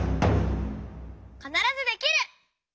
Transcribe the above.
「かならずできる！」。